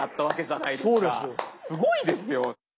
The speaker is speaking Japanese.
すごいですよ！